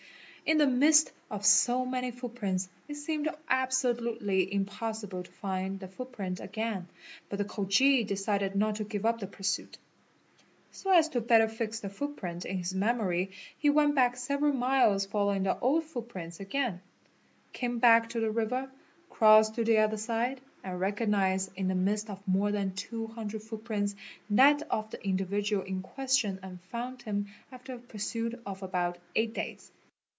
In the midst of so many footprints it seemed abso lutely impossible to find the footprint again but the Khoji decided not to i yeup the pursuit. So as to better fix the footprint in his memory he ent back several miles following the old footprint again, came back to the iver, crossed to the other side, and recognised in the midst of more than )0 footprints that of the individual in question and found him after a « ig PIT ee de ee eA ae Les mn AA AEP SA, 5 AAPA CA ) 492 FOOTPRINTS pursuit of about eight days.